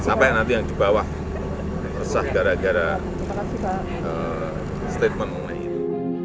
sampai nanti yang di bawah resah gara gara statement mengenai itu